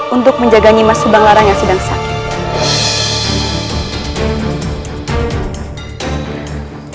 untuk menjaga nimas subanglarang yang sedang sakit